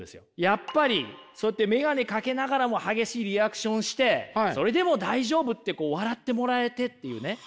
やっぱりそうやってメガネかけながらも激しいリアクションをしてそれでも大丈夫ってこう笑ってもらえてっていうね。